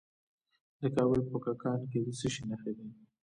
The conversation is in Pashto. د کابل په کلکان کې د څه شي نښې دي؟